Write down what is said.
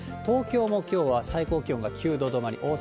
東京もきょうは最高気温が９度止まり。